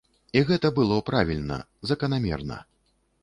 І гэта было правільна, заканамерна.